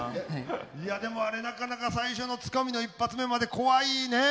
いやでもあれなかなか最初のつかみの一発目まで怖いねえ。